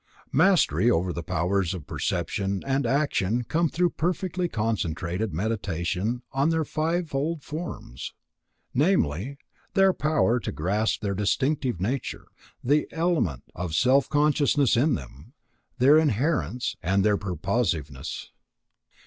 Mastery over the powers of perception and action comes through perfectly concentrated Meditation on their fivefold forms; namely, their power to grasp their distinctive nature, the element of self consciousness in them, their inherence, and their purposiveness.